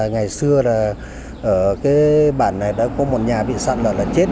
ngày xưa ở cái bản này đã có một nhà bị sản lợi là chết